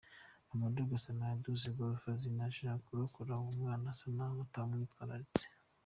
Mamoudou Gassama yaduze igorofa zine aja kurokora uwo mwana yasa naho atawumwitwararitse.